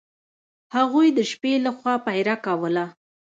هغوی د شپې له خوا پیره کوله.